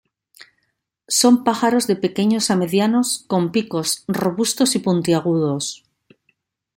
Son pájaros de pequeños a medianos con picos robustos y puntiagudos.